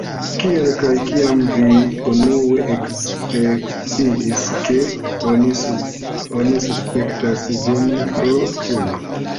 Kiel kaj kiam vi unue eksciis, ke oni suspektas vin pro krimo?